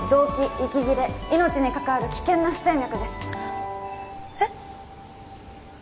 息切れ命に関わる危険な不整脈ですえっ？